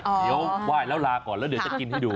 เดี๋ยวไหว้แล้วลาก่อนแล้วเดี๋ยวจะกินให้ดู